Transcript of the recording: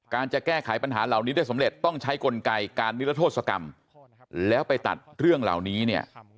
จะแก้ไขปัญหาเหล่านี้ได้สำเร็จต้องใช้กลไกการนิรโทษกรรมแล้วไปตัดเรื่องเหล่านี้เนี่ย